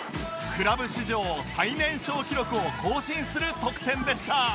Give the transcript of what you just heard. クラブ史上最年少記録を更新する得点でした